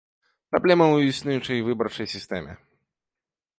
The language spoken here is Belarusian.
Праблема ў існуючай выбарчай сістэме.